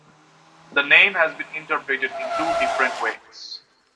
The name has been interpreted in two different ways.